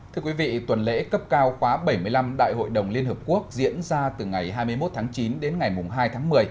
thưa quý vị tuần lễ cấp cao khóa bảy mươi năm đại hội đồng liên hợp quốc diễn ra từ ngày hai mươi một tháng chín đến ngày hai tháng một mươi